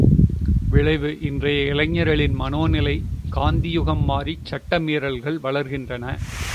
விளைவு இன்றைய இளைஞர்களின் மனோ நிலை காந்தியுகம் மாறிச் சட்ட மீறல்கள் வளர்கின்றன.